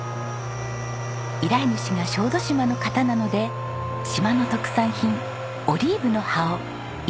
依頼主が小豆島の方なので島の特産品オリーブの葉を一枚一枚刻みます。